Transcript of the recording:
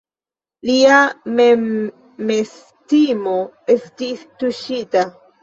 Lia memestimo estis tuŝita.